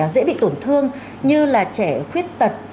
dễ bị tổn thương như là trẻ khuyết tật